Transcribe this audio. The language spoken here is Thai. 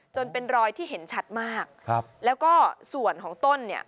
จนเป็นรอยที่เห็นชัดมากครับแล้วก็ส่วนของต้นเนี่ย